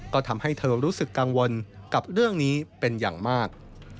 ก็ทำให้เธอรู้สึกกังวลกับเรื่องนี้เป็นอย่างมาก